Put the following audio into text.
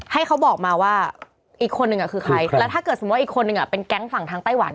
ให้เขาบอกมาว่าอีกคนนึงคือใครแล้วถ้าเกิดสมมุติอีกคนนึงเป็นแก๊งฝั่งทางไต้หวัน